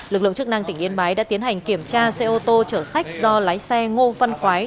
lực lượng chức năng tỉnh yên bái đã tiến hành kiểm tra xe ô tô chở khách do lái xe ngô văn quái